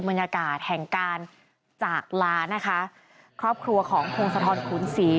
บรรยากาศแห่งการจากลานะคะครอบครัวของพงศธรขุนศรี